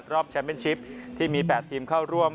แชมป์เป็นชิปที่มี๘ทีมเข้าร่วม